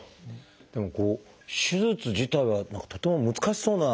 でも手術自体は何かとても難しそうな。